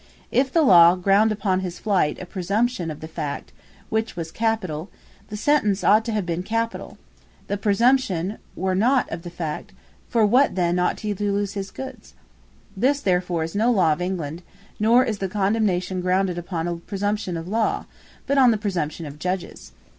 If the Law ground upon his flight a Presumption of the fact, (which was Capitall,) the Sentence ought to have been Capitall: if the presumption were not of the Fact, for what then ought he to lose his goods? This therefore is no Law of England; nor is the condemnation grounded upon a Presumption of Law, but upon the Presumption of the Judges.